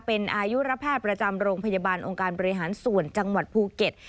เป็นอายุระแพทย์ประจำโรงพยาบาลองค์การบริหารส่วนจังหวัดภูเก็ต